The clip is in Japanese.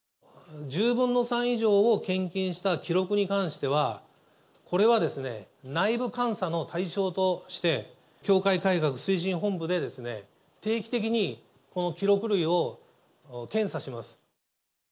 １０分の３以上を献金した記録に関しては、これは内部監査の対象として、教会改革推進本部で定期的にこの記録類を検査します。